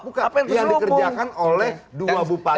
apa yang dikerjakan oleh dua bupati